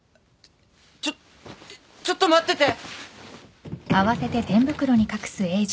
ちょちょっと待ってて。